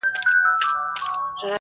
او پوښتني نه ختمېږي هېڅکله